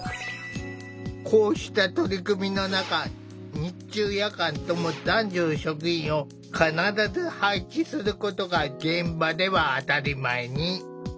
こうした取り組みの中日中夜間とも男女の職員を必ず配置することが現場では当たり前に。